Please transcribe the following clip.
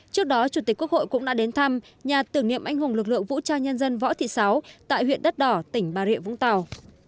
trước đó chủ tịch quốc hội cũng đã đến thăm nhà tưởng niệm anh hùng lực lượng vũ trang nhân dân võ thị sáu tại huyện đất đỏ tỉnh bà rịa vũng tàu